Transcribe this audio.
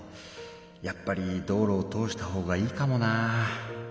やっぱり道路を通したほうがいいかもなぁ。